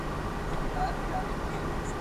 زدهکوونکي د ښوونځي په چاپیریال کي وده کوي.